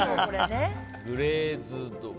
グレーズド。